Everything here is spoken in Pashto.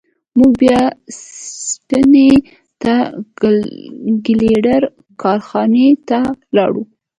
موږ بیا سټپني ته د ګیلډر کارخانې ته لاړو.